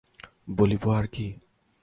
বলিব আর কি?